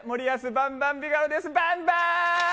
バンバーン！